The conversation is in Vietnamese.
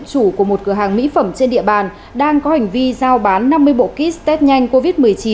chủ của một cửa hàng mỹ phẩm trên địa bàn đang có hành vi giao bán năm mươi bộ kit test nhanh covid một mươi chín